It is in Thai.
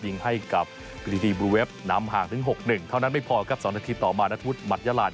ยิงให้กับกฤดีบลูเวฟนำห่างถึง๖๑เท่านั้นไม่พอครับ๒นาทีต่อมานัทธวุฒิหมัดยาลาน